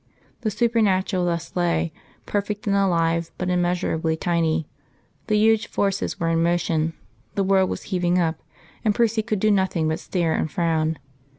The supernatural thus lay, perfect and alive, but immeasurably tiny; the huge forces were in motion, the world was heaving up, and Percy could do nothing but stare and frown.